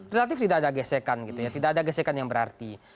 relatif tidak ada gesekan tidak ada gesekan yang berarti